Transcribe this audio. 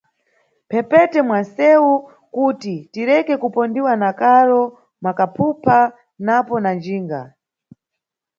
Mʼmphepete mwa nʼsewu kuti tireke kupondiwa na karo, makaphupha napo na njinga.